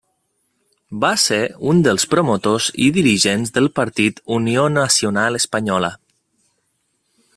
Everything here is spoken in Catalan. Va ser un dels promotors i dirigents del partit Unió Nacional Espanyola.